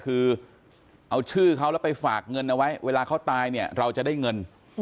คือเอาชื่อเขาแล้วไปฝากเงินเอาไว้เวลาเขาตายเนี่ยเราจะได้เงิน